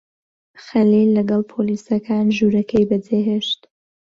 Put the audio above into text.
خەلیل لەگەڵ پۆلیسەکان ژوورەکەی بەجێهێشت.